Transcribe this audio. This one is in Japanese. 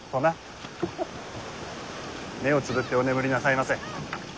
目をつぶってお眠りなさいませ。